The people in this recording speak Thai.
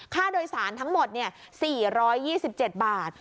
ค่าโดยสารทั้งหมด๔๒๗บาท